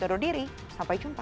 tundur diri sampai jumpa